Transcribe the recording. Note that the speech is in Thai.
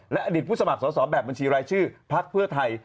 และอดีตผู้สมัครสอบแบบบัญชีรายชื่อพักเพื่อไทย